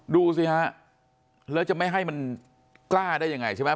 ดูสิฮะแล้วจะไม่ให้มันกล้าได้ยังไงใช่ไหม